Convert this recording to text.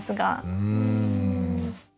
うん。